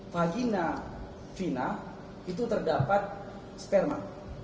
vagina fina itu terdapat sperma